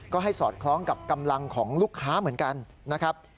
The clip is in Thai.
ก็ให้สอดคล้องกับกำลังของลูกค้าเหมือนกันนะครับ